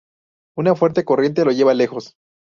Una fuerte corriente lo lleva lejos.